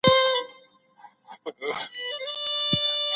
ایا ته د ټولني په دردونو خبر یې؟